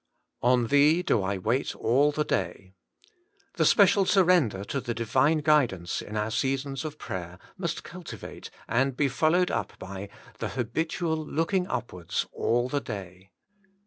* On Thee do I wait all the day.' The special surrender to the Divine guidance in our seasons of prayer must cultivate, and be followed up by, the habitual looking upwards *all the day.